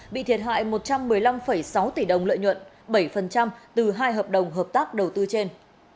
bị thiệt hại một trăm một mươi năm sáu tỷ đồng lợi nhuận bảy từ hai hợp đồng hợp tác đầu tư trên